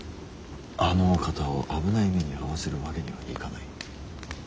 あのお方を危ない目に遭わせるわけにはいかない。